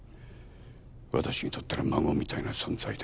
私にとったら孫みたいな存在だ。